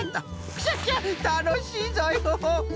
クシャシャたのしいぞよ。